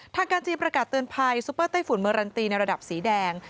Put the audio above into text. ทางการจีนประกาศเตือนภัยซูเปอร์ไต้ฝุ่นเมอรันตีในระดับสีแดง